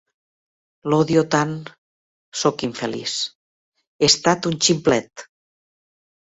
L'odio tant - Sóc infeliç - He estat un ximplet!